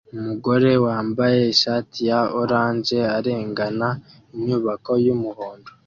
Umugore wambaye ishati ya orange arengana inyubako yumuhondo